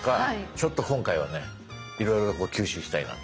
ちょっと今回はねいろいろこう吸収したいなと。